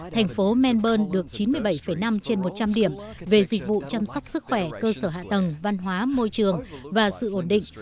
thành phố menburne được chín mươi bảy năm trên một trăm linh điểm về dịch vụ chăm sóc sức khỏe cơ sở hạ tầng văn hóa môi trường và sự ổn định